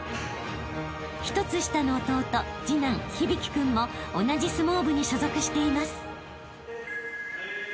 ［１つ下の弟次男響君も同じ相撲部に所属しています］